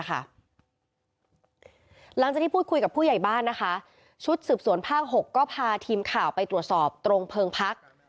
หลังจากที่พูดคุยกับผู้ใหญ่บ้านนะคะชุดสืบสวนภาค๖ก็พาทีมข่าวไปตรวจสอบตรงเพลิงพัก